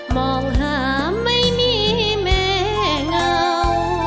มองหาไม่มีแม่เงา